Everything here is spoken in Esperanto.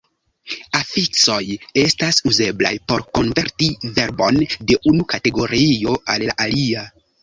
Afiksoj estas uzeblaj por konverti verbon de unu kategorio al la alia.